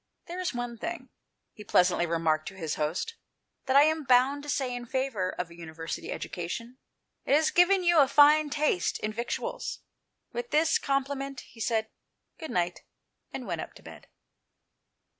" There is one thing," he pleasantly remarked to his host, "that I am bound to say in favour of a University education ; it has given you a fine taste in victuals." With this compliment, he said " good night," and went up to bed.